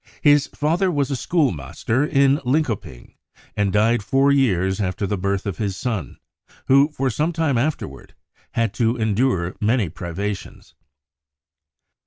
His father was a schoolmaster in Linkoping, and died four years after the birth of his son, who for some time afterward had to endure many privations.